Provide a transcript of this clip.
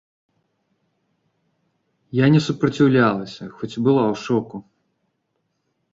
Я не супраціўлялася, хоць і была ў шоку.